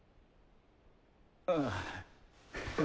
ああ。